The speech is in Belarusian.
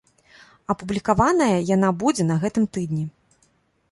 Апублікаваная яна будзе на гэтым тыдні.